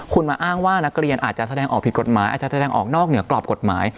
คุณมาอ้างว่านักเรียนอาจจะแสดงออกผิดกฎหมายอาจจะแสดงออกนอกเหนือกรอบกฎหมาย